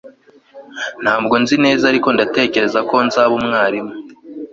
Ntabwo nzi neza ariko ndatekereza ko nzaba umwarimu